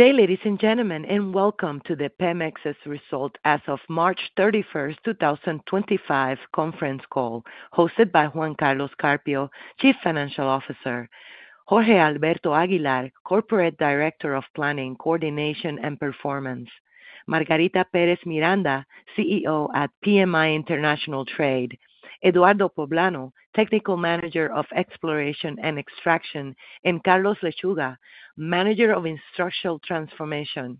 Good day, ladies and gentlemen, and welcome to the Pemex's Result as of March 31st, 2025, conference call hosted by Juan Carlos Carpio, Chief Financial Officer; Jorge Alberto Aguilar, Corporate Director of Planning, Coordination, and Performance; Margarita Pérez Miranda, CEO at PMI International Trade; Eduardo Poblano, Technical Manager of Exploration and Extraction; and Carlos Lechuga, Manager of Industrial Transformation.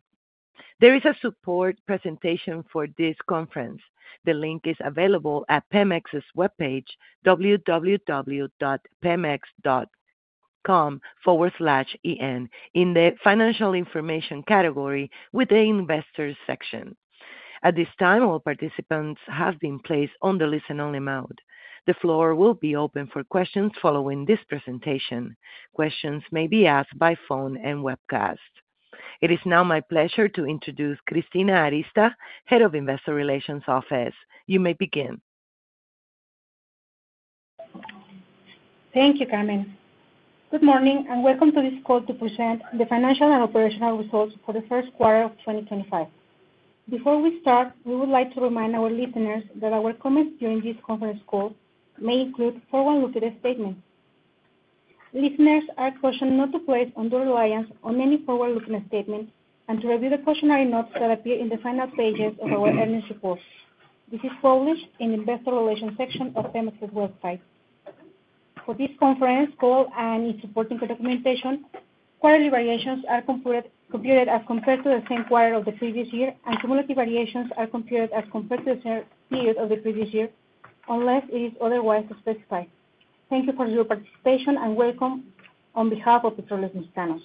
There is a support presentation for this conference. The link is available at the Pemex's webpage, www.pemex.com/en, in the Financial Information category within the Investors section. At this time, all participants have been placed on the listen-only mode. The floor will be open for questions following this presentation. Questions may be asked by phone and webcast. It is now my pleasure to introduce Cristina Arista, Head of Investor Relations Office. You may begin. Thank you, Carmen. Good morning and welcome to this call to present the financial and operational results for the first quarter of 2025. Before we start, we would like to remind our listeners that our comments during this conference call may include forward-looking statements. Listeners are cautioned not to place their reliance on any forward-looking statement and to review the cautionary notes that appear in the final pages of our earnings report. This is published in the Investor Relations section of Pemex's website. For this conference call and its supporting documentation, quarterly variations are computed as compared to the same quarter of the previous year, and cumulative variations are computed as compared to the same period of the previous year, unless it is otherwise specified. Thank you for your participation and welcome on behalf of Petróleos Mexicanos.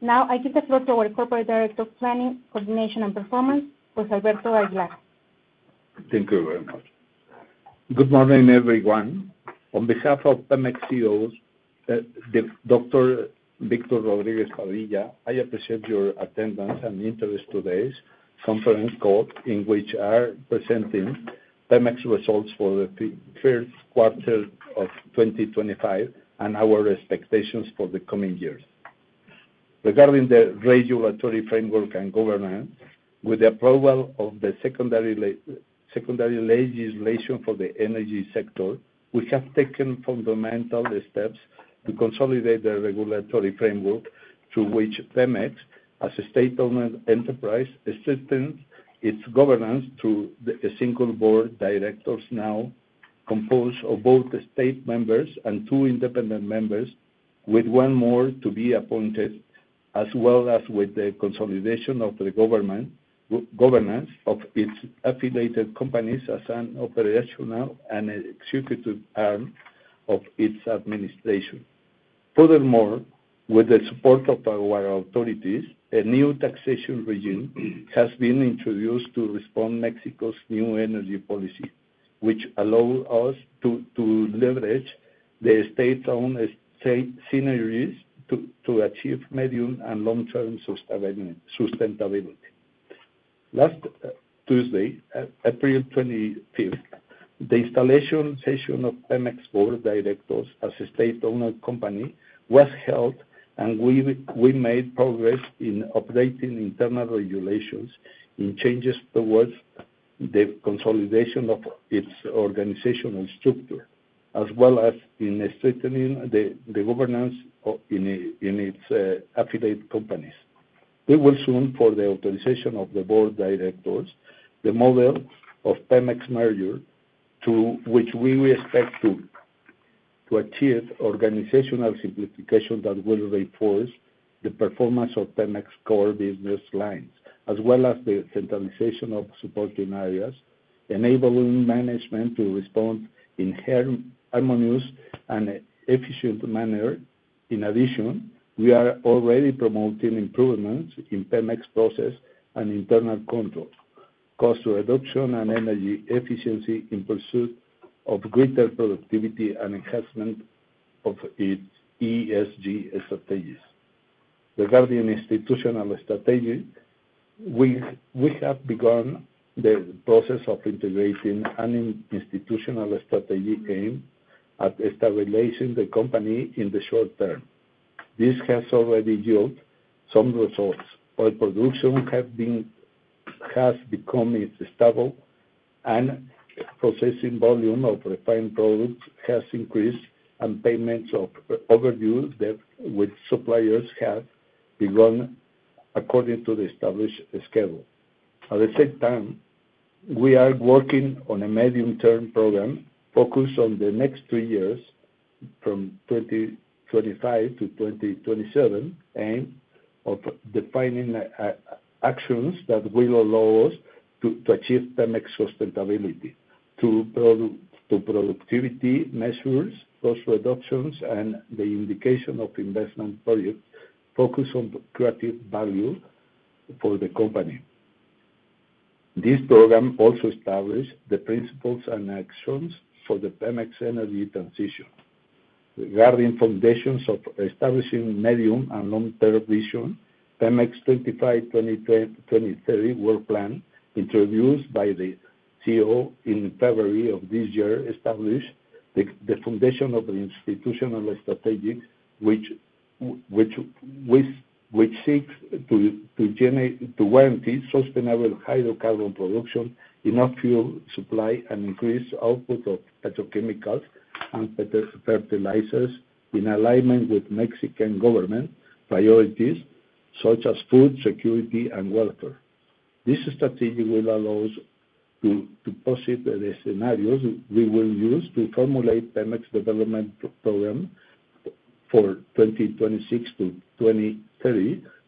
Now, I give the floor to our Corporate Director of Planning, Coordination, and Performance, Jorge Alberto Aguilar. Thank you very much. Good morning, everyone. On behalf of Pemex CEO, Dr. Víctor Rodríguez Padilla, I appreciate your attendance and interest in today's conference call in which we are presenting Pemex's results for the first quarter of 2025 and our expectations for the coming years. Regarding the regulatory framework and governance, with the approval of the secondary legislation for the energy sector, we have taken fundamental steps to consolidate the regulatory framework through which Pemex, as a state-owned enterprise, strengthens its governance through a single board of directors now composed of both state members and two independent members, with one more to be appointed, as well as with the consolidation of the governance of its affiliated companies as an operational and executive arm of its administration. Furthermore, with the support of our authorities, a new taxation regime has been introduced to respond to Mexico's new energy policy, which allows us to leverage the state-owned scenarios to achieve medium and long-term sustainability. Last Tuesday, April 25th, the installation session of Pemex's board of directors as a state-owned company was held, and we made progress in updating internal regulations and changes towards the consolidation of its organizational structure, as well as in strengthening the governance in its affiliate companies. We will soon, for the authorization of the board of directors, implement the model of Pemex's merger, through which we expect to achieve organizational simplification that will reinforce the performance of Pemex's core business lines, as well as the centralization of supporting areas, enabling management to respond in a harmonious and efficient manner. In addition, we are already promoting improvements in Pemex and internal control, cost reduction, and energy efficiency in pursuit of greater productivity and enhancement of its ESG strategies. Regarding institutional strategy, we have begun the process of integrating an institutional strategy aimed at stabilizing the company in the short term. This has already yielded some results. Oil production has become stable, and the processing volume of refined products has increased, and payments of overdue debt with suppliers have begun according to the established schedule. At the same time, we are working on a medium-term program focused on the next three years, from 2025 to 2027, aimed at defining actions that will allow us to achieve Pemex's sustainability through productivity measures, cost reductions, and the indication of investment projects focused on creative value for the company. This program also establishes the principles and actions for the Pemex's energy transition. Regarding the foundations of establishing medium and long-term vision, Pemex's 2025-2030 work plan introduced by the CEO in February of this year established the foundation of the institutional strategy, which seeks to guarantee sustainable hydrocarbon production, enough fuel supply, and increased output of petrochemicals and fertilizers in alignment with Mexican government priorities such as food security and welfare. This strategy will allow us to posit the scenarios we will use to formulate Pemex development program for 2026-2030,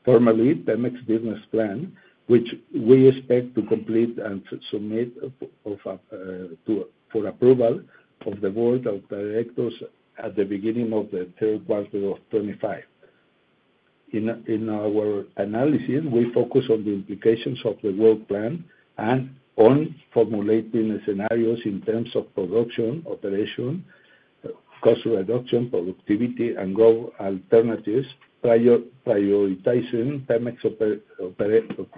formerly Pemex Business Plan, which we expect to complete and submit for approval of the board of directors at the beginning of the third quarter of 2025. In our analysis, we focus on the implications of the work plan and on formulating scenarios in terms of production, operation, cost reduction, productivity, and growth alternatives, prioritizing Pemex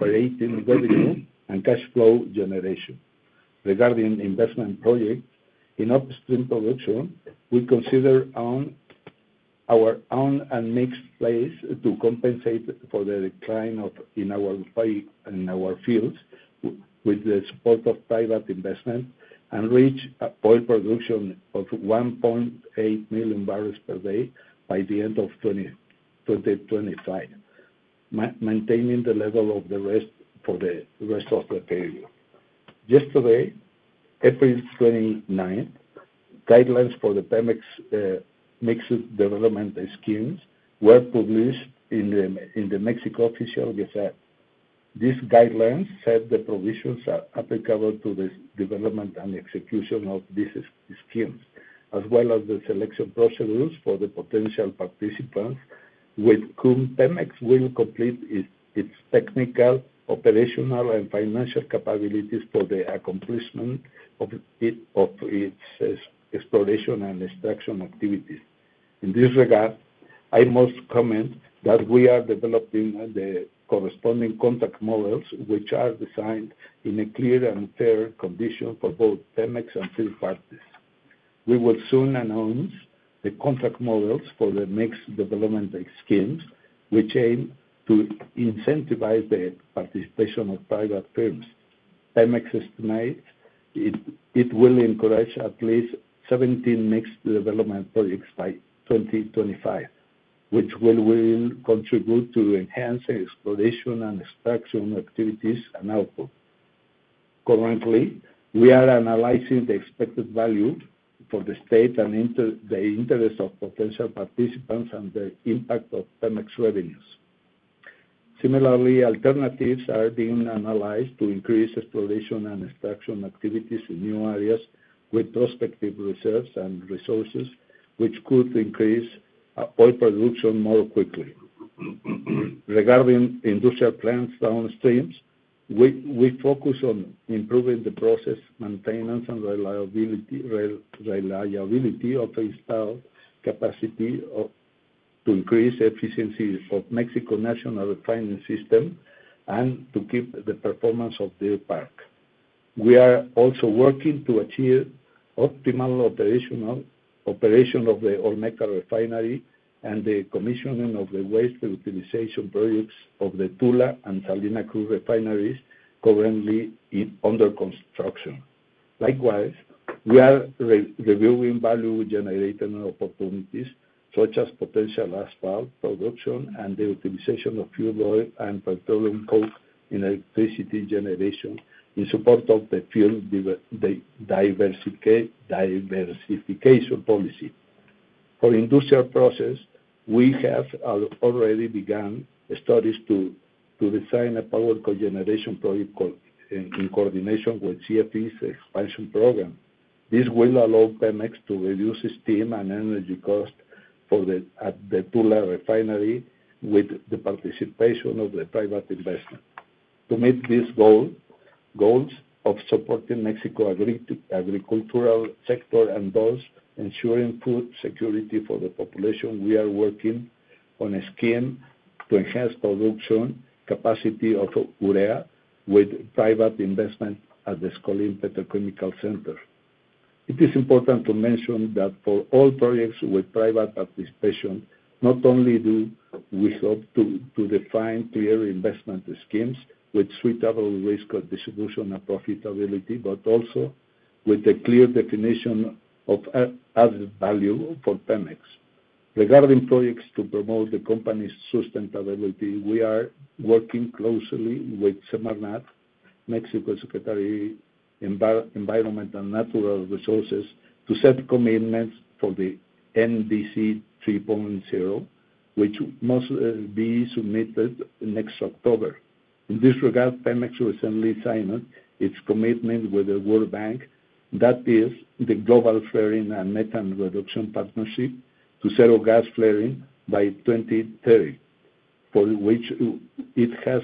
operating revenue and cash flow generation. Regarding investment projects in upstream production, we consider our own and mixed plans to compensate for the decline in our fields with the support of private investment and reach oil production of 1.8 million barrels per day by the end of 2025, maintaining the level for the rest of the period. Yesterday, April 29th, guidelines for the Pemex development schemes were published in the Mexico Official Gazette. These guidelines set the provisions applicable to the development and execution of these schemes, as well as the selection procedures for the potential participants with whom Pemex will complete its technical, operational, and financial capabilities for the accomplishment of its exploration and extraction activities. In this regard, I must comment that we are developing the corresponding contract models, which are designed in a clear and fair condition for both Pemex and third parties. We will soon announce the contract models for the mixed development schemes, which aim to incentivize the participation of private firms. Pemex anticipates it will encourage at least 17 mixed development projects by 2025, which will contribute to enhancing exploration and extraction activities and output. Currently, we are analyzing the expected value for the state and the interest of potential participants and the impact of Pemex revenues. Similarly, alternatives are being analyzed to increase exploration and extraction activities in new areas with prospective reserves and resources, which could increase oil production more quickly. Regarding industrial plants downstream, we focus on improving the process, maintenance, and reliability of installed capacity to increase the efficiency of Mexico's national refining system and to keep the performance of Deer Park. We are also working to achieve optimal operation of the Olmeca Refinery and the commissioning of the waste reutilization projects of the Tula and Salina Cruz refineries currently under construction. Likewise, we are reviewing value-generating opportunities such as potential asphalt production and the utilization of fuel oil and petroleum coal in electricity generation in support of the fuel diversification policy. For industrial process, we have already begun studies to design a power cogeneration project in coordination with CFE's expansion program. This will allow Pemex to reduce steam and energy costs at the Tula refinery with the participation of private investment. To meet these goals of supporting Mexico's agricultural sector and thus ensuring food security for the population, we are working on a scheme to enhance the production capacity of urea with private investment at the Cosoleacaque Petrochemical Center. It is important to mention that for all projects with private participation, not only do we hope to define clear investment schemes with suitable risk distribution and profitability, but also with a clear definition of added value for Pemex. Regarding projects to promote the company's sustainability, we are working closely with SEMARNAT, Mexico's Secretary of Environment and Natural Resources, to set commitments for the NDC 3.0, which must be submitted next October. In this regard, Pemex recently signed its commitment with the World Bank, that is, the Global Flaring and Methane Reduction Partnership, to zero gas flaring by 2030, for which it has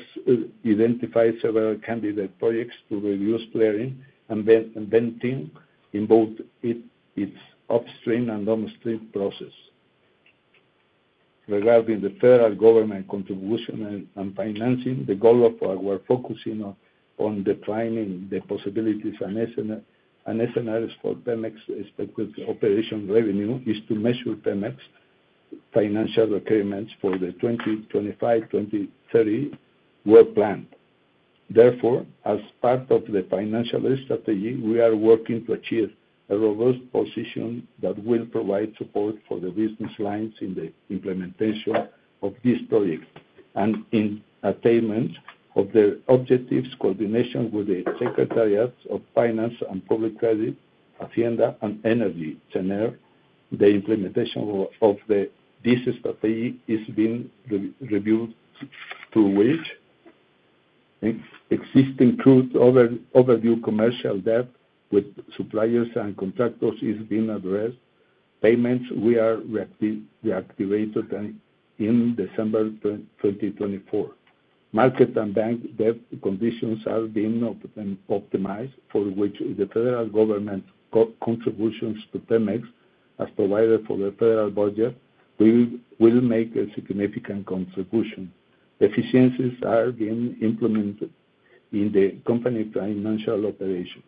identified several candidate projects to reduce flaring and venting in both its upstream and downstream process. Regarding the federal government contribution and financing, the goal of our focusing on defining the possibilities and scenarios for Pemex's operational revenue is to measure Pemex's financial requirements for the 2025-2030 work plan. Therefore, as part of the financial strategy, we are working to achieve a robust position that will provide support for the business lines in the implementation of these projects and in attainment of their objectives, coordination with the Secretariat of Finance and Public Credit, Hacienda, and Energy. The implementation of this strategy is being reviewed, through which existing crude overdue commercial debt with suppliers and contractors is being addressed. Payments will be reactivated in December 2024. Market and bank debt conditions are being optimized, for which the federal government contributions to Pemex, as provided for the federal budget, will make a significant contribution. Efficiencies are being implemented in the company's financial operations.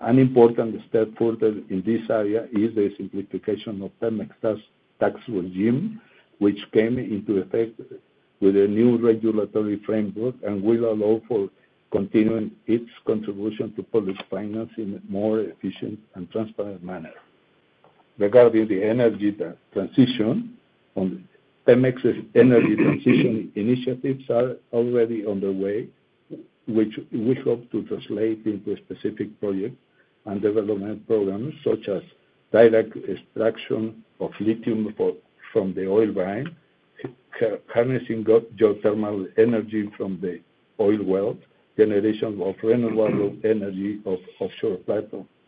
An important step further in this area is the simplification of Pemex's tax regime, which came into effect with a new regulatory framework and will allow for continuing its contribution to public finance in a more efficient and transparent manner. Regarding the energy transition, Pemex's energy transition initiatives are already underway, which we hope to translate into specific projects and development programs such as direct extraction of lithium from the oil mine, harnessing geothermal energy from the oil well, generation of renewable energy on offshore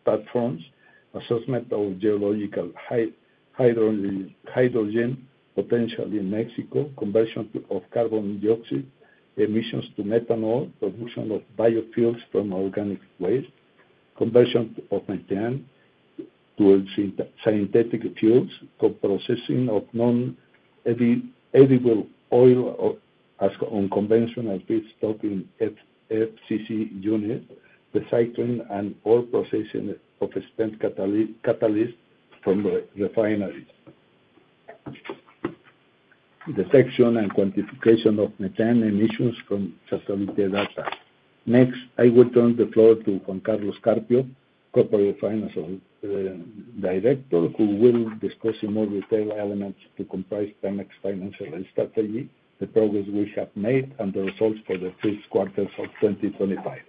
platforms, assessment of geological hydrogen potential in Mexico, conversion of carbon dioxide emissions to methanol, production of biofuels from organic waste, conversion of methane to synthetic fuels, co-processing of non-edible oil as unconventional feedstock in FCC units, recycling and ore processing of spent catalysts from refineries, detection and quantification of methane emissions from facility data. Next, I will turn the floor to Juan Carlos Carpio, Corporate Finance Director, who will discuss in more detail elements to comprise Pemex's financial strategy, the progress we have made, and the results for the first quarter of 2025.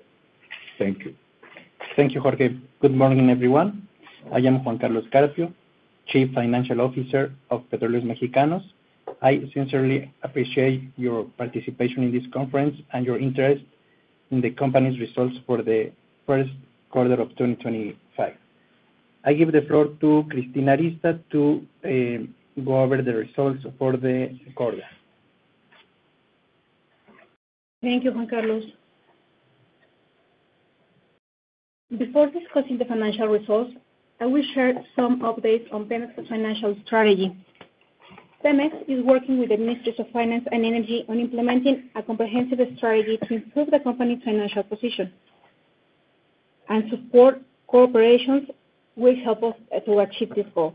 Thank you. Thank you, Jorge. Good morning, everyone. I am Juan Carlos Carpio, Chief Financial Officer of Petróleos Mexicanos. I sincerely appreciate your participation in this conference and your interest in the company's results for the first quarter of 2025. I give the floor to Cristina Arista to go over the results for the quarter. Thank you, Juan Carlos. Before discussing the financial results, I will share some updates on Pemex's financial strategy. Pemex is working with the Ministry of Finance and Energy on implementing a comprehensive strategy to improve the company's financial position and support corporations which help us to achieve this goal.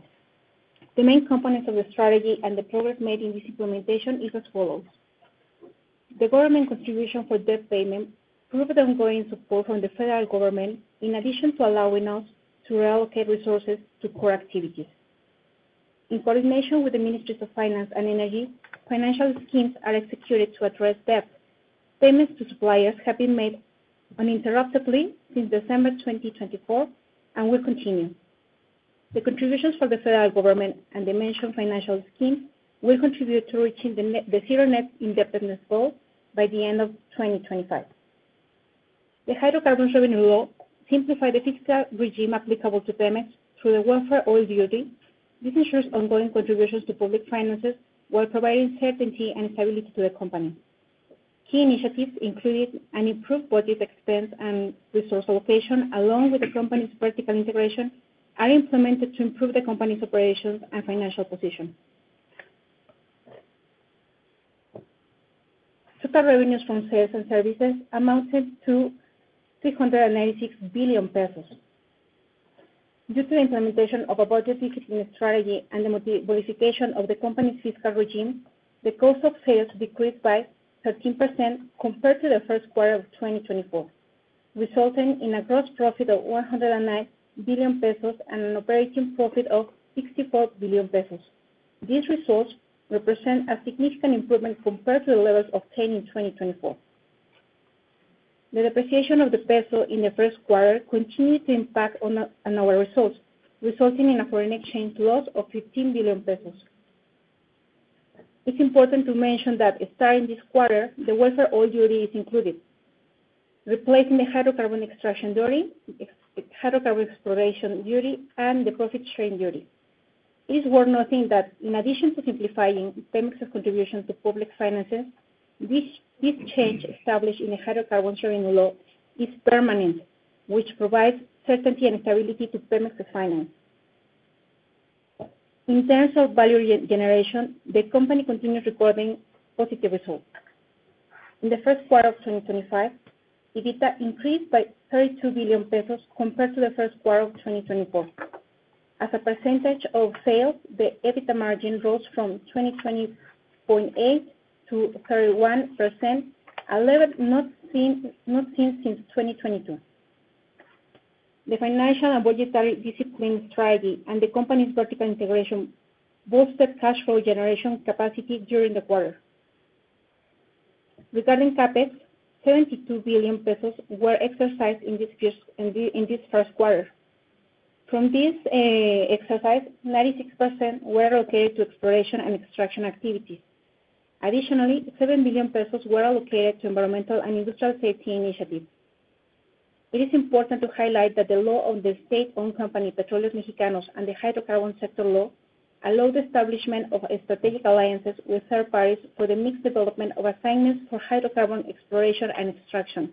The main components of the strategy and the progress made in this implementation are as follows. The government contribution for debt payment proved ongoing support from the federal government, in addition to allowing us to reallocate resources to core activities. In coordination with the Ministry of Finance and Energy, financial schemes are executed to address debt. Payments to suppliers have been made uninterruptedly since December 2024 and will continue. The contributions from the federal government and the mentioned financial schemes will contribute to reaching the zero net indebtedness goal by the end of 2025. The hydrocarbon revenue law simplified the fiscal regime applicable to Pemex through the welfare oil duty. This ensures ongoing contributions to public finances while providing certainty and stability to the company. Key initiatives included an improved budget expense and resource allocation, along with the company's vertical integration, that are implemented to improve the company's operations and financial position. Total revenues from sales and services amounted to 396 billion pesos. Due to the implementation of a budget-fixing strategy and the modification of the company's fiscal regime, the cost of sales decreased by 13% compared to the first quarter of 2024, resulting in a gross profit of 109 billion pesos and an operating profit of 64 billion pesos. These results represent a significant improvement compared to the levels obtained in 2024. The depreciation of the peso in the first quarter continued to impact on our results, resulting in a foreign exchange loss of 15 billion pesos. It's important to mention that, starting this quarter, the welfare oil duty is included, replacing the hydrocarbon extraction duty, hydrocarbon exploration duty, and the profit-sharing duty. It's worth noting that, in addition to simplifying Pemex's contributions to public finances, this change established in the Hydrocarbon Sharing Law is permanent, which provides certainty and stability to Pemex's finance. In terms of value generation, the company continues recording positive results. In the first quarter of 2025, EBITDA increased by 32 billion pesos compared to the first quarter of 2024. As a percentage of sales, the EBITDA margin rose from 20.8% to 31%, a level not seen since 2022. The financial and budgetary discipline strategy and the company's vertical integration boosted cash flow generation capacity during the quarter. Regarding CapEx, 72 billion pesos were exercised in this first quarter. From this exercise, 96% were allocated to exploration and extraction activities. Additionally, 7 billion pesos were allocated to environmental and industrial safety initiatives. It is important to highlight that the law on the state-owned company Petróleos Mexicanos and the hydrocarbon sector law allowed the establishment of strategic alliances with third parties for the mixed development of assignments for hydrocarbon exploration and extraction.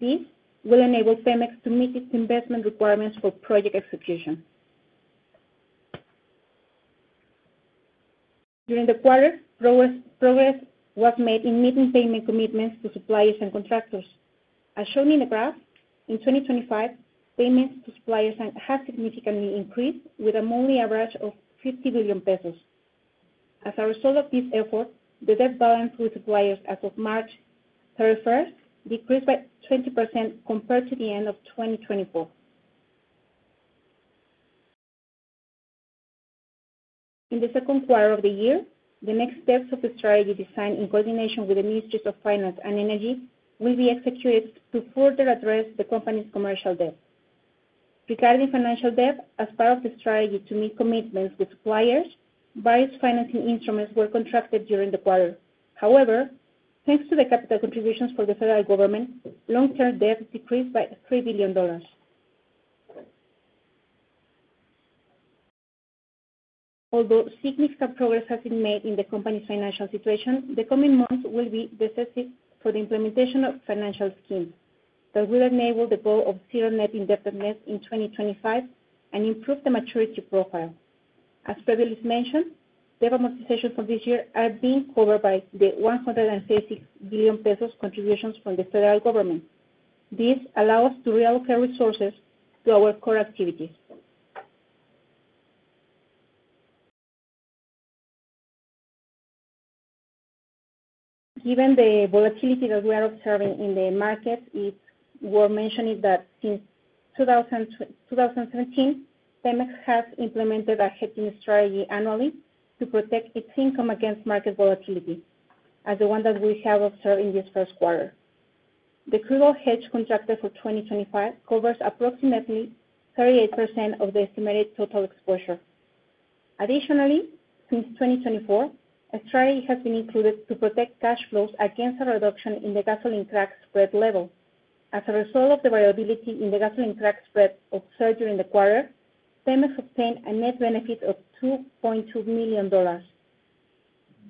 This will enable Pemex to meet its investment requirements for project execution. During the quarter, progress was made in meeting payment commitments to suppliers and contractors. As shown in the graph, in 2025, payments to suppliers have significantly increased, with a monthly average of 50 billion pesos. As a result of this effort, the debt balance with suppliers as of March 31 decreased by 20% compared to the end of 2024. In the second quarter of the year, the next steps of the strategy designed in coordination with the Ministry of Finance and Energy will be executed to further address the company's commercial debt. Regarding financial debt, as part of the strategy to meet commitments with suppliers, various financing instruments were contracted during the quarter. However, thanks to the capital contributions from the federal government, long-term debt decreased by $3 billion. Although significant progress has been made in the company's financial situation, the coming months will be decisive for the implementation of financial schemes that will enable the goal of zero net indebtedness in 2025 and improve the maturity profile. As previously mentioned, the amortizations for this year are being covered by the 136 billion pesos contributions from the federal government. This allows us to reallocate resources to our core activities. Given the volatility that we are observing in the market, it's worth mentioning that since 2017, Pemex has implemented a hedging strategy annually to protect its income against market volatility, as the one that we have observed in this first quarter. The crude oil hedge contracted for 2025 covers approximately 38% of the estimated total exposure. Additionally, since 2024, a strategy has been included to protect cash flows against a reduction in the gasoline crack spread level. As a result of the variability in the gasoline crack spread observed during the quarter, Pemex obtained a net benefit of $2.2 million.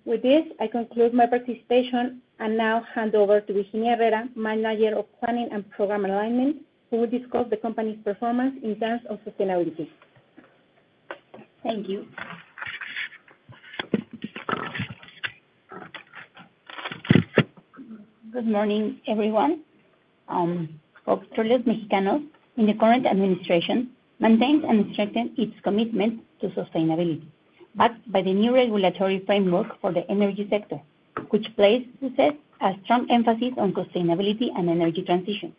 With this, I conclude my participation and now hand over to Virginia Herrera, Manager of Planning and Program Alignment, who will discuss the company's performance in terms of sustainability. Thank you. Good morning, everyone. For Petróleos Mexicanos, in the current administration, maintained and strengthened its commitment to sustainability, backed by the new regulatory framework for the energy sector, which places a strong emphasis on sustainability and energy transition.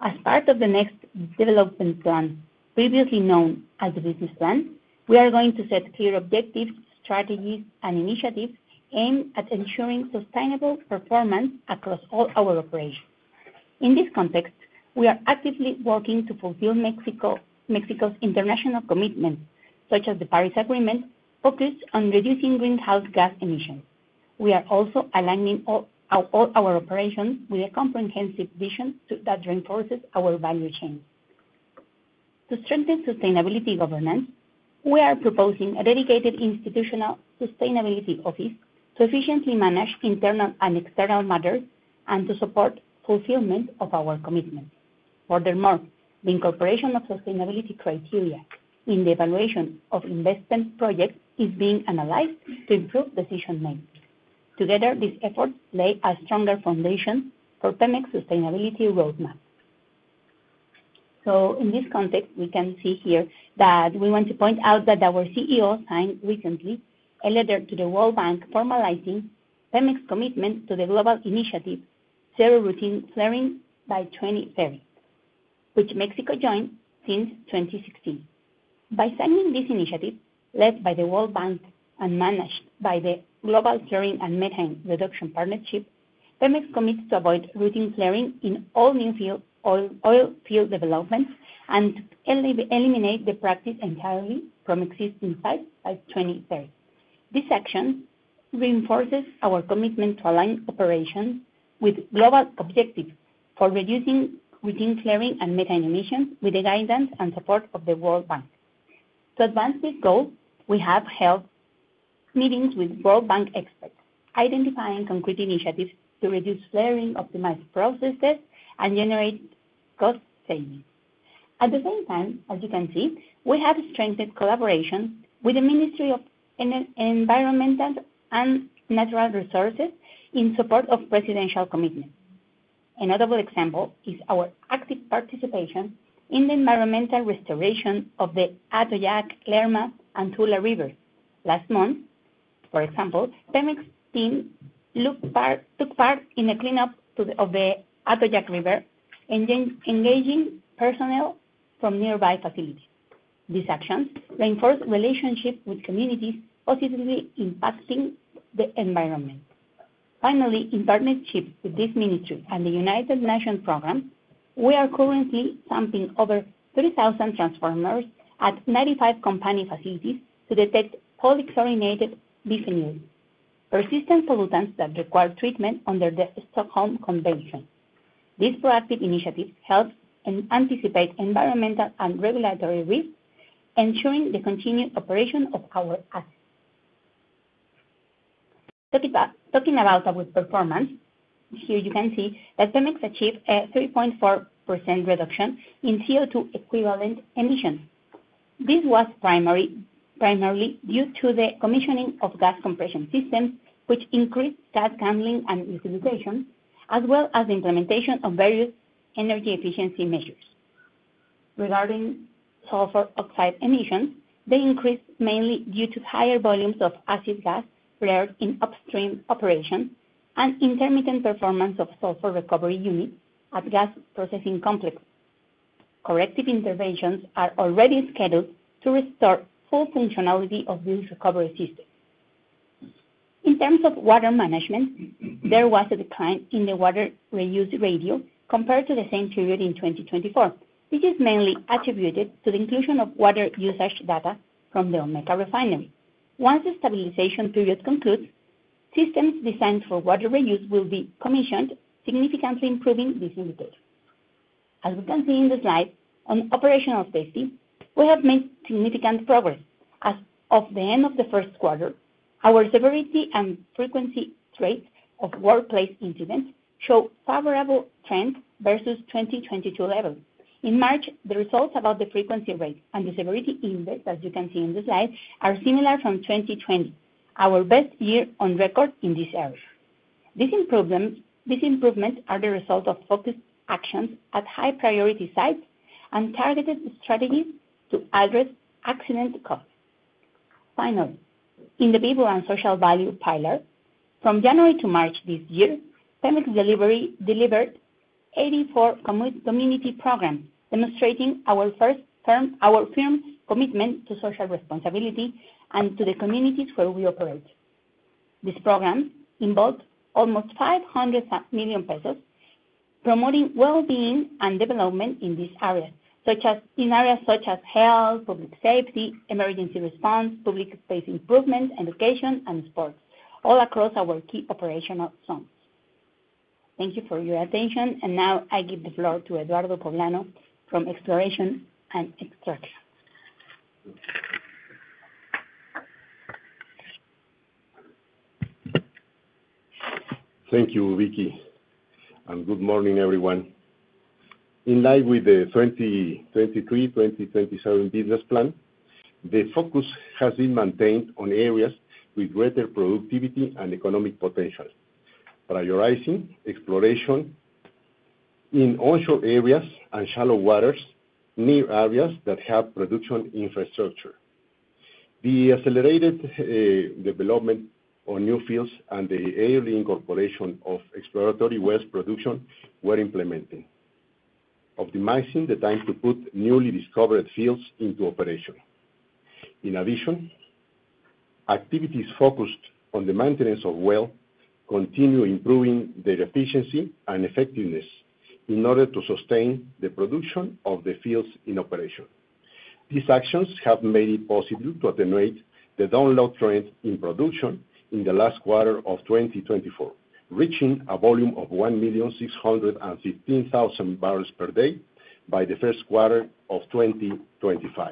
As part of the next development plan, previously known as the business plan, we are going to set clear objectives, strategies, and initiatives aimed at ensuring sustainable performance across all our operations. In this context, we are actively working to fulfill Mexico's international commitments, such as the Paris Agreement, focused on reducing greenhouse gas emissions. We are also aligning all our operations with a comprehensive vision that reinforces our value chain. To strengthen sustainability governance, we are proposing a dedicated institutional sustainability office to efficiently manage internal and external matters and to support fulfillment of our commitments. Furthermore, the incorporation of sustainability criteria in the evaluation of investment projects is being analyzed to improve decision-making. Together, these efforts lay a stronger foundation for Pemex's sustainability roadmap. In this context, we can see here that we want to point out that our CEO signed recently a letter to the World Bank formalizing Pemex's commitment to the global initiative Zero Routine Flaring by 2030, which Mexico joined since 2016. By signing this initiative, led by the World Bank and managed by the Global Flaring and Methane Reduction Partnership, Pemex commits to avoid routine flaring in all new oil field developments and eliminate the practice entirely from existing sites by 2030. This action reinforces our commitment to align operations with global objectives for reducing routine flaring and methane emissions with the guidance and support of the World Bank. To advance this goal, we have held meetings with World Bank experts, identifying concrete initiatives to reduce flaring, optimize processes, and generate cost savings. At the same time, as you can see, we have strengthened collaboration with the Ministry of Environment and Natural Resources in support of presidential commitments. Another example is our active participation in the environmental restoration of the Atoyac, Lerma, and Tula rivers. Last month, for example, Pemex's team took part in the cleanup of the Atoyac River, engaging personnel from nearby facilities. These actions reinforce relationships with communities, positively impacting the environment. Finally, in partnership with this ministry and the United Nations program, we are currently sampling over 3,000 transformers at 95 company facilities to detect polychlorinated biphenyls, persistent pollutants that require treatment under the Stockholm Convention. These proactive initiatives help anticipate environmental and regulatory risks, ensuring the continued operation of our assets. Talking about our performance, here you can see that Pemex achieved a 3.4% reduction in CO2 equivalent emissions. This was primarily due to the commissioning of gas compression systems, which increased gas handling and utilization, as well as the implementation of various energy efficiency measures. Regarding sulfur oxide emissions, they increased mainly due to higher volumes of acid gas flared in upstream operations and intermittent performance of sulfur recovery units at gas processing complexes. Corrective interventions are already scheduled to restore full functionality of these recovery systems. In terms of water management, there was a decline in the water reuse ratio compared to the same period in 2024. This is mainly attributed to the inclusion of water usage data from the Olmeca refinery. Once the stabilization period concludes, systems designed for water reuse will be commissioned, significantly improving this indicator. As we can see in the slide, on operational safety, we have made significant progress. As of the end of the first quarter, our severity and frequency traits of workplace incidents show favorable trends versus 2022 levels. In March, the results about the frequency rate and the severity index, as you can see in the slide, are similar from 2020, our best year on record in this area. These improvements are the result of focused actions at high-priority sites and targeted strategies to address accident costs. Finally, in the people and social value pilot, from January to March this year, Pemex delivered 84 community programs, demonstrating our firm commitment to social responsibility and to the communities where we operate. This program involved almost 500 million pesos, promoting well-being and development in these areas, such as in areas such as health, public safety, emergency response, public space improvement, education, and sports, all across our key operational zones. Thank you for your attention. I give the floor to Eduardo Poblano from Exploration and Extraction. Thank you, Vicky, and good morning, everyone. In line with the 2023-2027 business plan, the focus has been maintained on areas with greater productivity and economic potential, prioritizing exploration in onshore areas and shallow waters near areas that have production infrastructure. The accelerated development on new fields and the early incorporation of exploratory wells production were implemented, optimizing the time to put newly discovered fields into operation. In addition, activities focused on the maintenance of wells continue improving their efficiency and effectiveness in order to sustain the production of the fields in operation. These actions have made it possible to attenuate the downward trend in production in the last quarter of 2024, reaching a volume of 1,615,000 barrels per day by the first quarter of 2025.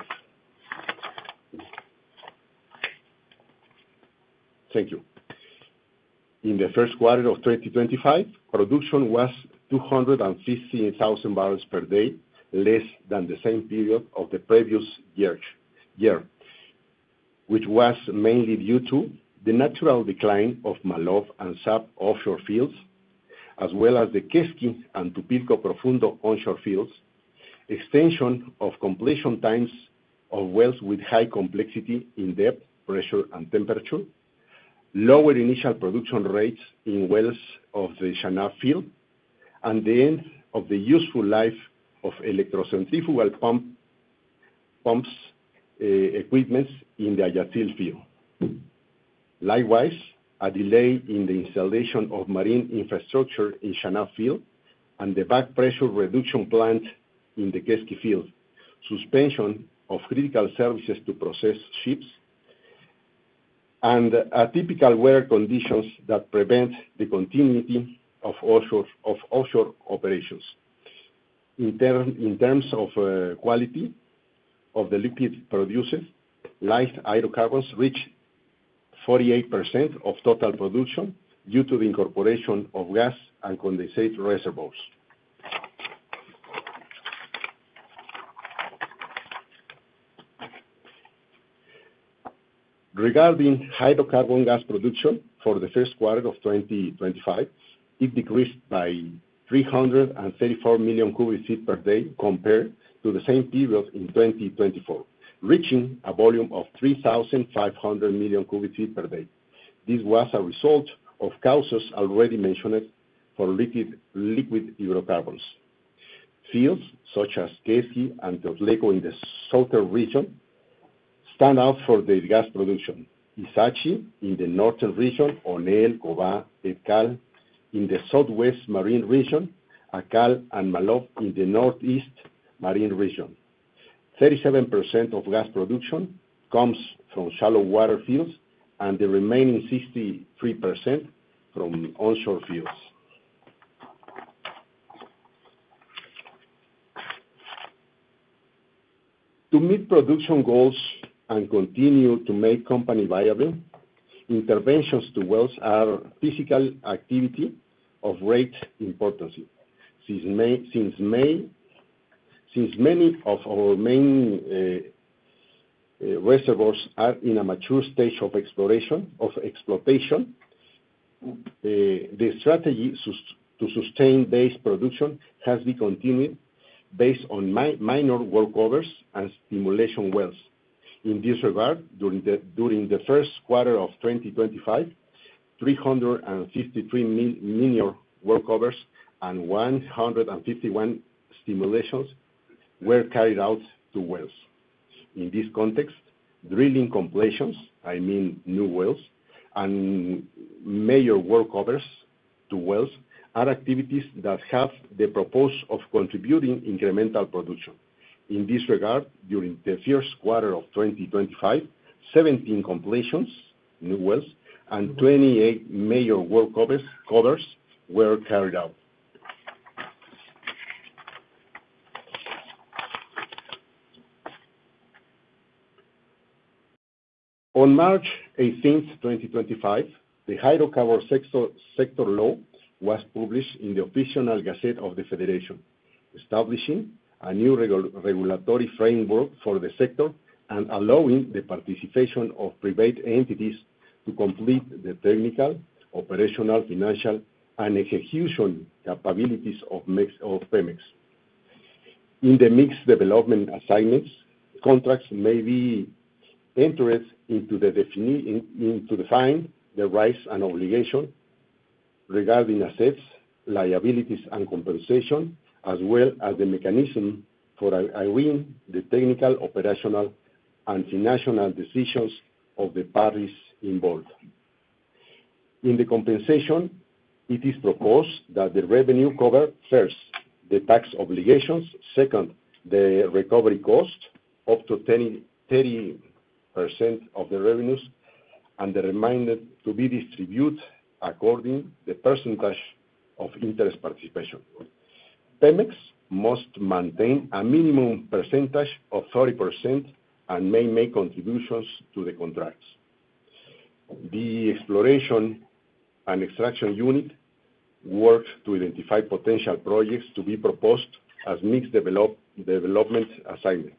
Thank you. In the first quarter of 2025, production was 215,000 barrels per day, less than the same period of the previous year, which was mainly due to the natural decline of Maloob and sub-offshore fields, as well as the Quesqui and Tupilco Profundo onshore fields, extension of completion times of wells with high complexity in depth, pressure, and temperature, lower initial production rates in wells of the Chalabil field, and the end of the useful life of electricity fuel pump equipment in the Ayatsil field. Likewise, a delay in the installation of marine infrastructure in Chalabil field and the back pressure reduction plant in the Quesqui field, suspension of critical services to process ships, and atypical weather conditions that prevent the continuity of offshore operations. In terms of quality of the liquid produced, light hydrocarbons reached 48% of total production due to the incorporation of gas and condensate reservoirs. Regarding hydrocarbon gas production for the first quarter of 2025, it decreased by 334 million cubic feet per day compared to the same period in 2024, reaching a volume of 3,500 million cubic feet per day. This was a result of causes already mentioned for liquid hydrocarbons. Fields such as Quesqui and Topila in the southern region stand out for their gas production. Ixachi in the northern region, Onel, DUBA, Etkal in the southwest marine region, Akal and Maloob in the northeast marine region. 37% of gas production comes from shallow water fields and the remaining 63% from onshore fields. To meet production goals and continue to make company viable, interventions to wells are a physical activity of great importance. Since many of our main reservoirs are in a mature stage of exploration, the strategy to sustain base production has been continued based on minor workovers and stimulation wells. In this regard, during the first quarter of 2025, 353 mini workovers and 151 stimulations were carried out to wells. In this context, drilling completions, I mean new wells, and major workovers to wells are activities that have the purpose of contributing incremental production. In this regard, during the first quarter of 2025, 17 completions, new wells, and 28 major workovers were carried out. On March 18th, 2025, the Hydrocarbon Sector Law was published in the Official Gazette of the Federation, establishing a new regulatory framework for the sector and allowing the participation of private entities to complete the technical, operational, financial, and execution capabilities of Pemex. In the mixed development assignments, contracts may be entered into to define the rights and obligations regarding assets, liabilities, and compensation, as well as the mechanism for agreeing to the technical, operational, and financial decisions of the parties involved. In the compensation, it is proposed that the revenue cover first, the tax obligations, second, the recovery cost up to 30% of the revenues, and the remainder to be distributed according to the percentage of interest participation. Pemex must maintain a minimum percentage of 30% and may make contributions to the contracts. The exploration and extraction unit works to identify potential projects to be proposed as mixed development assignments,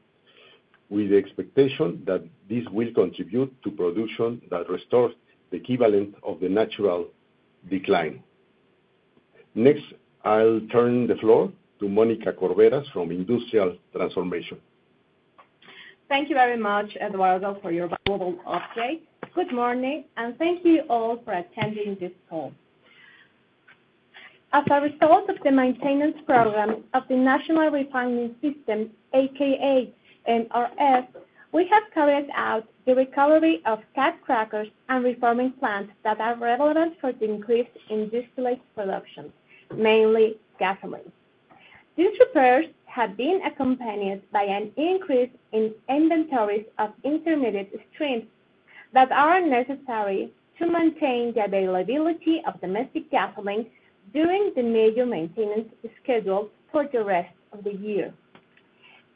with the expectation that this will contribute to production that restores the equivalent of the natural decline. Next, I'll turn the floor to Monica Corvera from Industrial Transformation. Thank you very much, Eduardo, for your valuable update. Good morning, and thank you all for attending this call. As a result of the maintenance program of the National Refining System, AKA NRS, we have carried out the recovery of cat crackers and reforming plants that are relevant for the increase in distillate production, mainly gasoline. These repairs have been accompanied by an increase in inventories of intermediate streams that are necessary to maintain the availability of domestic gasoline during the major maintenance scheduled for the rest of the year.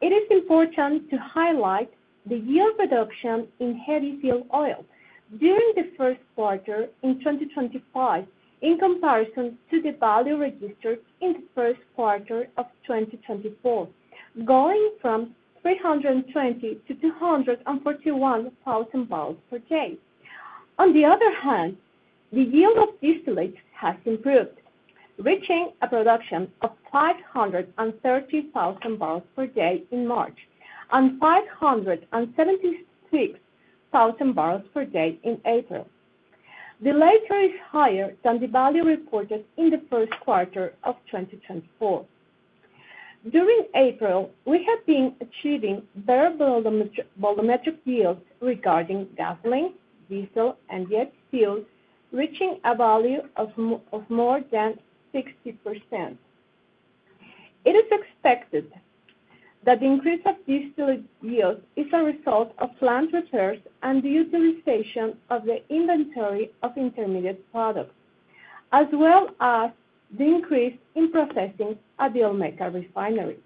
It is important to highlight the yield reduction in heavy fuel oil during the first quarter in 2025 in comparison to the value registered in the first quarter of 2024, going from 320,000 to 241,000 barrels per day. On the other hand, the yield of distillates has improved, reaching a production of 530,000 barrels per day in March and 576,000 barrels per day in April. The latter is higher than the value reported in the first quarter of 2024. During April, we have been achieving better volumetric yields regarding gasoline, diesel, and the jet fuels, reaching a value of more than 60%. It is expected that the increase of distillate yields is a result of plant repairs and the utilization of the inventory of intermediate products, as well as the increase in processing at the Olmeca refinery.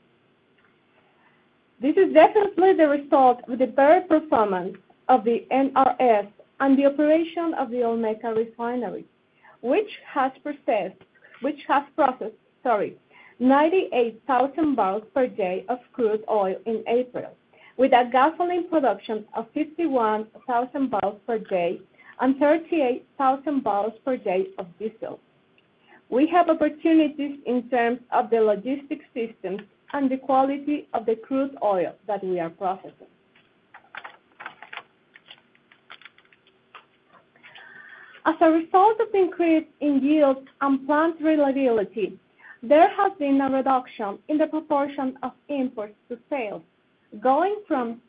This is definitely the result of the better performance of the NRS and the operation of the Olmeca refinery, which has processed, sorry, 98,000 barrels per day of crude oil in April, with a gasoline production of 51,000 barrels per day and 38,000 barrels per day of diesel. We have opportunities in terms of the logistics systems and the quality of the crude oil that we are processing. As a result of the increase in yields and plant reliability, there has been a reduction in the proportion of imports to sales, going from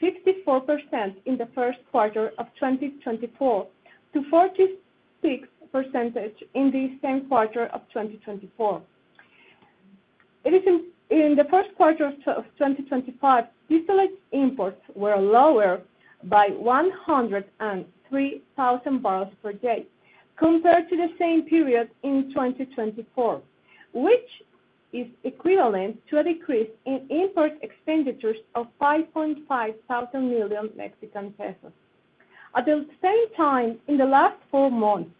54% in the first quarter of 2024 to 46% in the same quarter of 2024. In the first quarter of 2025, distillate imports were lower by 103,000 barrels per day compared to the same period in 2024, which is equivalent to a decrease in import expenditures of 5.5 million Mexican pesos. At the same time, in the last four months,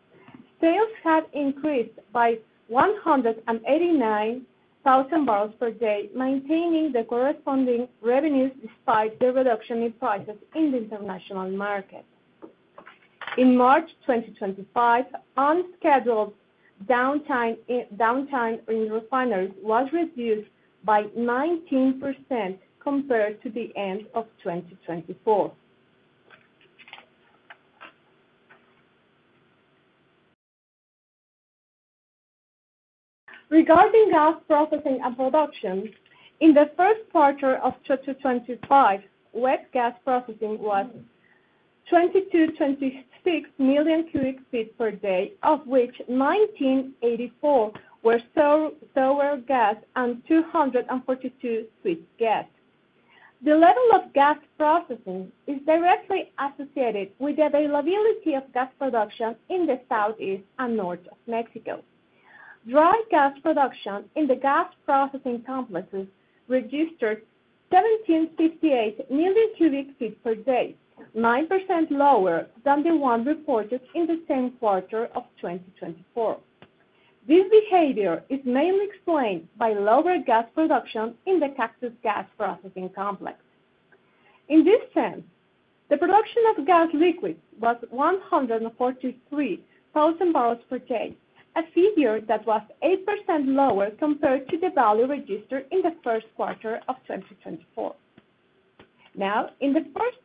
sales have increased by 189,000 barrels per day, maintaining the corresponding revenues despite the reduction in prices in the international market. In March 2025, unscheduled downtime in refineries was reduced by 19% compared to the end of 2024. Regarding gas processing and production, in the first quarter of 2025, wet gas processing was 2,226 million cubic feet per day, of which 1,984 were sour gas and 242 sweet gas. The level of gas processing is directly associated with the availability of gas production in the southeast and north of Mexico. Dry gas production in the gas processing complexes registered 1,758 million cubic feet per day, 9% lower than the one reported in the same quarter of 2024. This behavior is mainly explained by lower gas production in the Cactus gas processing complex. In this sense, the production of gas liquids was 143,000 barrels per day, a figure that was 8% lower compared to the value registered in the first quarter of 2024. Now, in the first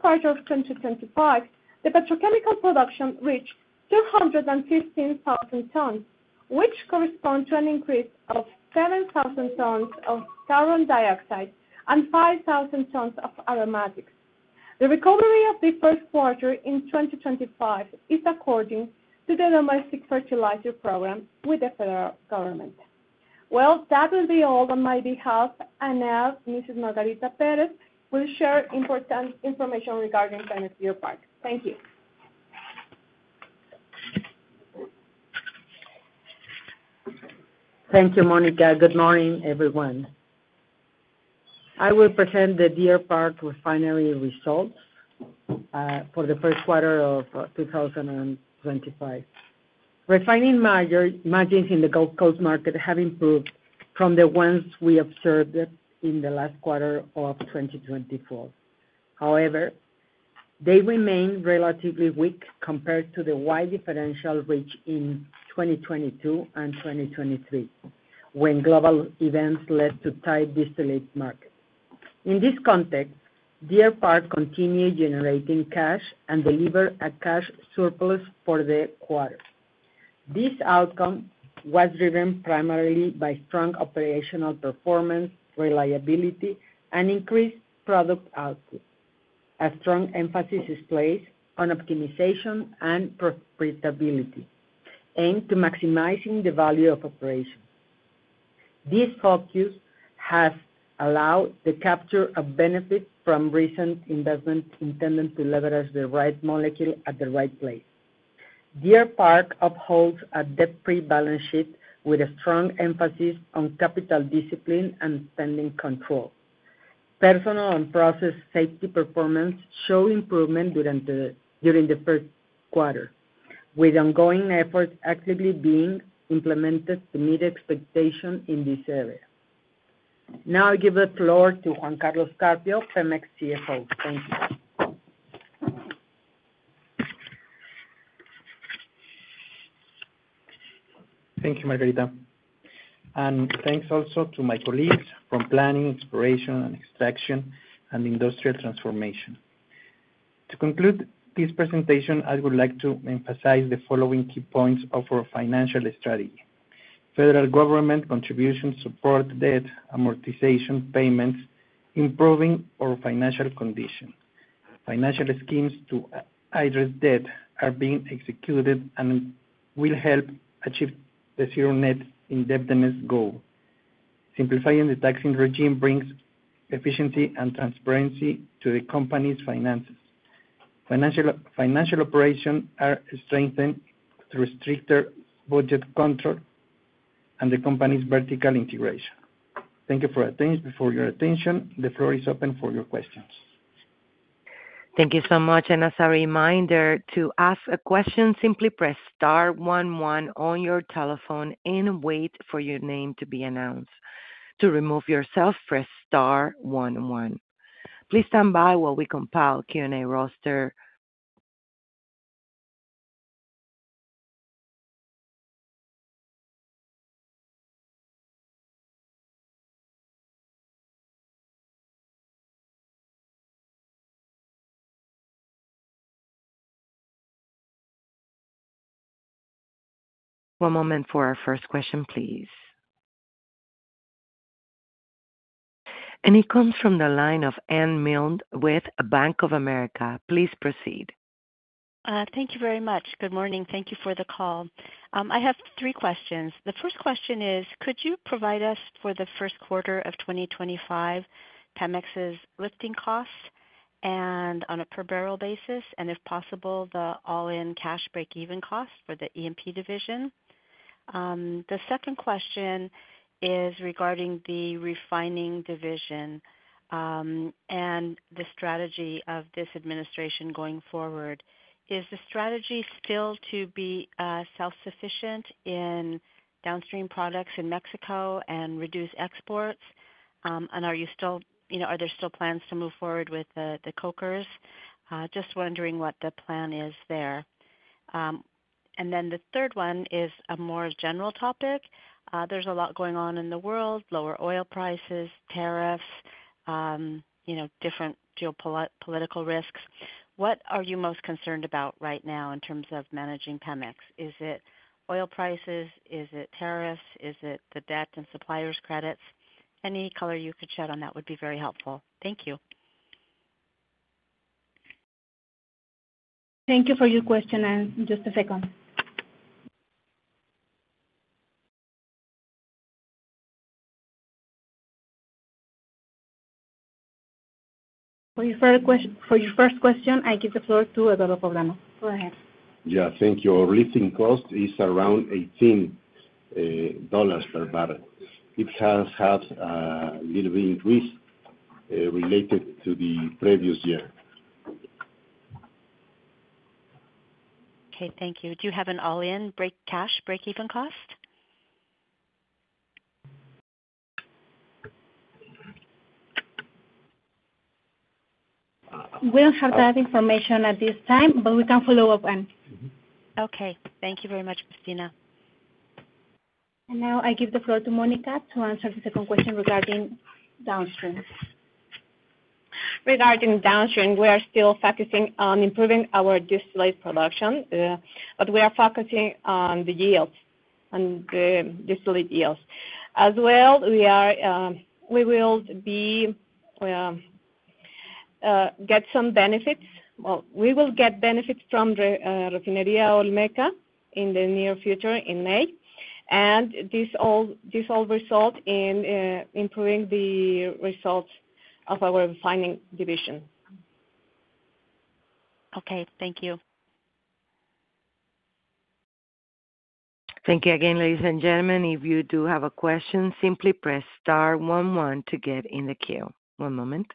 quarter of 2025, the petrochemical production reached 215,000 tons, which corresponds to an increase of 7,000 tons of carbon black and 5,000 tons of aromatics. The recovery of the first quarter in 2025 is according to the domestic fertilizer program with the federal government. That will be all on my behalf. Now, Mrs. Margarita Pérez will share important information regarding Deer Park. Thank you. Thank you, Monica. Good morning, everyone. I will present the Deer Park refinery results for the first quarter of 2025. Refining margins in the Gulf Coast market have improved from the ones we observed in the last quarter of 2024. However, they remain relatively weak compared to the wide differential reached in 2022 and 2023, when global events led to tight distillate markets. In this context, Deer Park continued generating cash and delivered a cash surplus for the quarter. This outcome was driven primarily by strong operational performance, reliability, and increased product output. A strong emphasis is placed on optimization and profitability, aimed to maximize the value of operations. This focus has allowed the capture of benefits from recent investments intended to leverage the right molecule at the right place. Deer Park upholds a debt-free balance sheet with a strong emphasis on capital discipline and spending control. Personnel and process safety performance show improvement during the first quarter, with ongoing efforts actively being implemented to meet expectations in this area. Now, I give the floor to Juan Carlos Carpio, Pemex CFO. Thank you. Thank you, Margarita. Thank you also to my colleagues from Planning, Exploration, Extraction, and Industrial Transformation. To conclude this presentation, I would like to emphasize the following key points of our financial strategy: federal government contributions, support debt, amortization payments, improving our financial condition. Financial schemes to address debt are being executed and will help achieve the zero-net indebtedness goal. Simplifying the taxing regime brings efficiency and transparency to the company's finances. Financial operations are strengthened through stricter budget control and the company's vertical integration. Thank you for your attention. The floor is open for your questions. Thank you so much. As a reminder, to ask a question, simply press star one one on your telephone and wait for your name to be announced. To remove yourself, press star one one. Please stand by while we compile the Q&A roster. One moment for our first question, please. It comes from the line of Anne Milne with Bank of America. Please proceed. Thank you very much. Good morning. Thank you for the call. I have three questions. The first question is, could you provide us for the first quarter of 2025 Pemex's lifting costs on a per-barrel basis, and if possible, the all-in cash break-even cost for the E&P division? The second question is regarding the refining division and the strategy of this administration going forward. Is the strategy still to be self-sufficient in downstream products in Mexico and reduce exports? Are there still plans to move forward with the cokers? Just wondering what the plan is there. The third one is a more general topic. There is a lot going on in the world: lower oil prices, tariffs, different geopolitical risks. What are you most concerned about right now in terms of managing Pemex? Is it oil prices? Is it tariffs? Is it the debt and suppliers' credits? Any color you could shed on that would be very helpful. Thank you. Thank you for your question. Just a second. For your first question, I give the floor to Eduardo Poblano. Go ahead. Yeah, thank you. Our lifting cost is around $18 per barrel. It has had a little bit of increase related to the previous year. Okay, thank you. Do you have an all-in cash break-even cost? We do not have that information at this time, but we can follow up. Okay, thank you very much, Cristina. Now I give the floor to Monica to answer the second question regarding downstream. Regarding downstream, we are still focusing on improving our distillate production, but we are focusing on the yields and the distillate yields. As well, we will get some benefits, we will get benefits from Refinería Olmeca in the near future in May. This all resulted in improving the results of our refining division. Okay, thank you. Thank you again, ladies and gentlemen. If you do have a question, simply press star one one to get in the queue. One moment.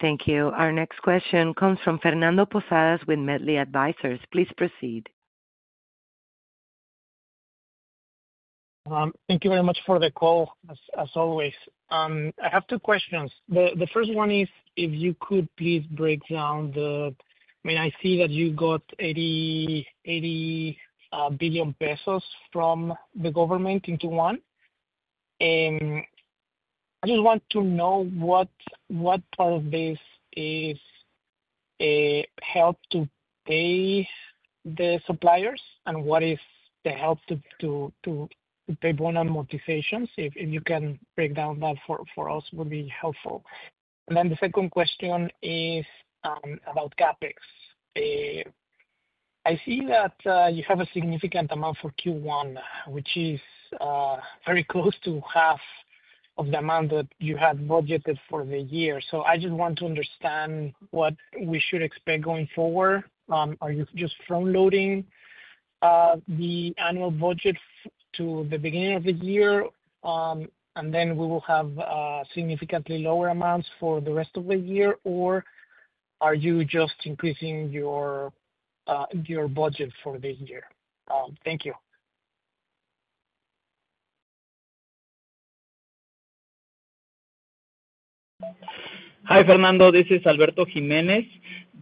Thank you. Our next question comes from Fernando Posadas with Medley Advisors. Please proceed. Thank you very much for the call, as always. I have two questions. The first one is, if you could please break down the—I mean, I see that you got 80 billion pesos from the government into one. I just want to know what part of this is help to pay the suppliers and what is the help to pay bonus amortizations. If you can break down that for us, it would be helpful. The second question is about CapEx. I see that you have a significant amount for Q1, which is very close to half of the amount that you had budgeted for the year. I just want to understand what we should expect going forward. Are you just front-loading the annual budget to the beginning of the year, and then we will have significantly lower amounts for the rest of the year, or are you just increasing your budget for this year? Thank you. Hi, Fernando. This is Alberto Jiménez.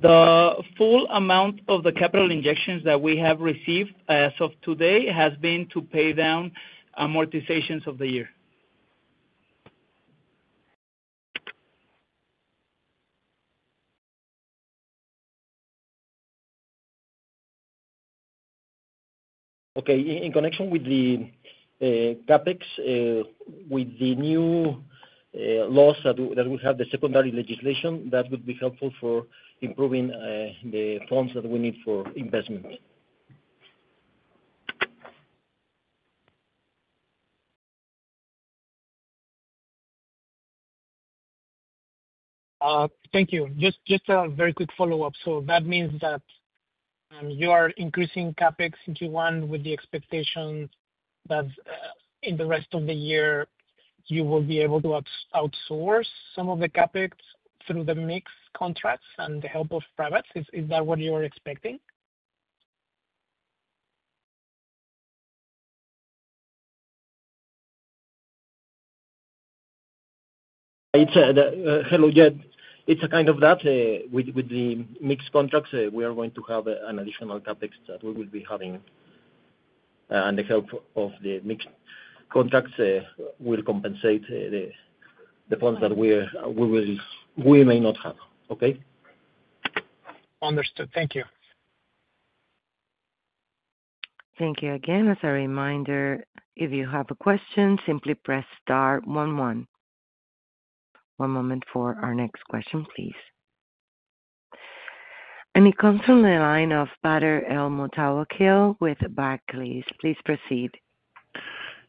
The full amount of the capital injections that we have received as of today has been to pay down amortizations of the year. Okay. In connection with the CAPEX, with the new laws that we have, the secondary legislation, that would be helpful for improving the funds that we need for investment. Thank you. Just a very quick follow-up. That means that you are increasing CapEx into one with the expectation that in the rest of the year, you will be able to outsource some of the CapEx through the mixed contracts and the help of privates. Is that what you're expecting? Hello. It's kind of that. With the mixed contracts, we are going to have an additional CAPEX that we will be having, and the help of the mixed contracts will compensate the funds that we may not have. Okay? Understood. Thank you. Thank you again. As a reminder, if you have a question, simply press star one one. One moment for our next question, please. It comes from the line of Badr El Moutawakil with Barclays. Please proceed.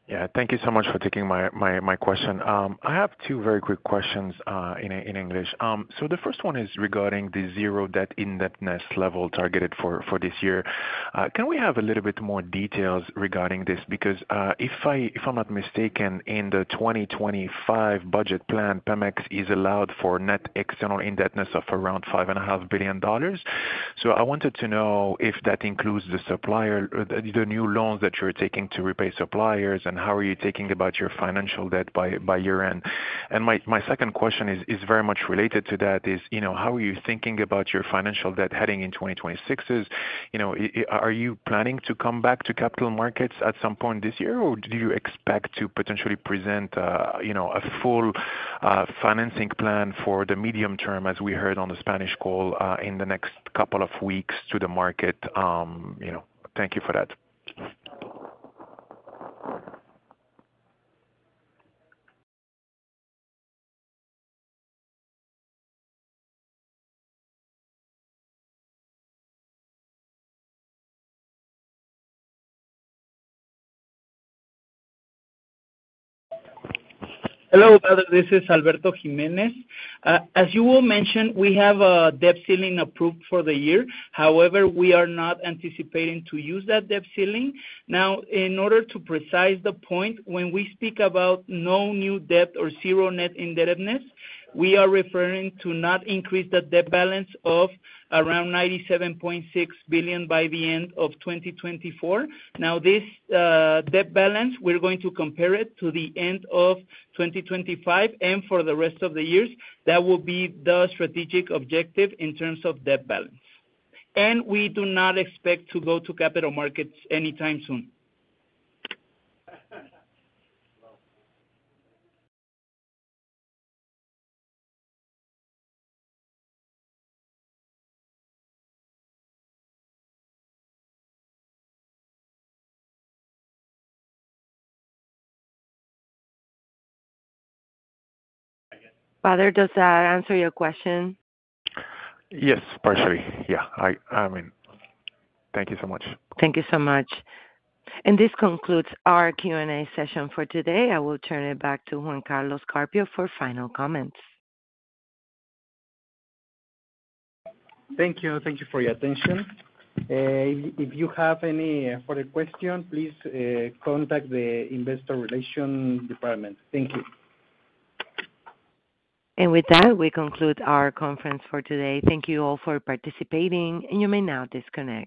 Yeah, thank you so much for taking my question. I have two very quick questions in English. The first one is regarding the zero debt indebtedness level targeted for this year. Can we have a little bit more details regarding this? Because if I'm not mistaken, in the 2025 budget plan, Pemex is allowed for net external indebtedness of around $5.5 billion. I wanted to know if that includes the new loans that you're taking to repay suppliers, and how are you thinking about your financial debt by year end? My second question is very much related to that. How are you thinking about your financial debt heading into 2026? Are you planning to come back to capital markets at some point this year, or do you expect to potentially present a full financing plan for the medium term, as we heard on the Spanish call, in the next couple of weeks to the market? Thank you for that. Hello, this is Alberto Jiménez. As you will mention, we have a debt ceiling approved for the year. However, we are not anticipating to use that debt ceiling. Now, in order to precise the point, when we speak about no new debt or zero net indebtedness, we are referring to not increase the debt balance of around $97.6 billion by the end of 2024. Now, this debt balance, we are going to compare it to the end of 2025 and for the rest of the years. That will be the strategic objective in terms of debt balance. We do not expect to go to capital markets anytime soon. Does that answer your question? Yes, partially. Yeah. I mean, thank you so much. Thank you so much. This concludes our Q&A session for today. I will turn it back to Juan Carlos Carpio for final comments. Thank you. Thank you for your attention. If you have any further questions, please contact the Investor Relations Department. Thank you. With that, we conclude our conference for today. Thank you all for participating, and you may now disconnect.